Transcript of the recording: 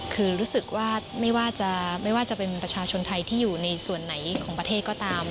คือรู้สึกว่าไม่ว่าจะเป็นประชาชนไทยที่อยู่ในส่วนไหนของประเทศก็ตาม